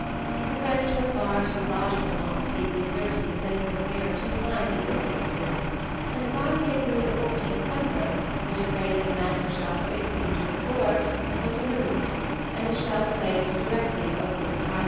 The French were far too logical not to see the absurdity of placing a mirror too high to be looked into; and the concave Louis XIV member, which had raised the mantel shelf six feet from the floor, was removed and the shelf placed directly over the entablature.